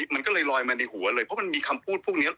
มันก็เลยลอยมาในหัวเลยเพราะมันมีคำพูดพวกนี้